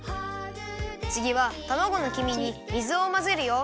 つぎはたまごの黄身に水をまぜるよ。